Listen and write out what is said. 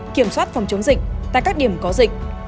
kiểm soát phòng chống dịch tại các điểm có dịch